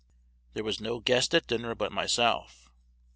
There was no guest at dinner but myself.